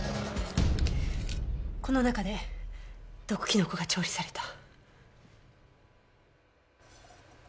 この中で毒キノコが調理された。